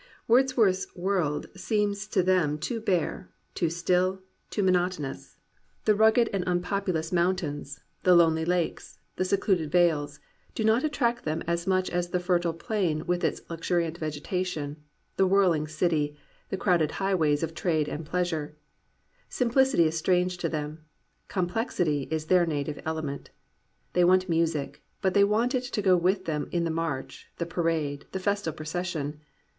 Wordsworth's world seems to them too bare, too still, too monotonous. The rugged and unpopulous 237 COMPANIONABLE BOOKS mountains, the lonely lakes, the secluded vales, do not attract them as much as the fertile plain with its luxuriant vegetation, the whirling city, the crowded highways of trade and pleasure. Sim plicity is strange to them; complexity is their na tive element. They want music, but they want it to go with them in the march, the parade, the festal procession.